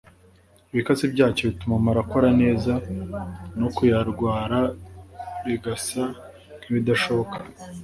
ibikatsi byacyo bituma amara akora neza no kuyarwara bigasa nk’ibidashoboka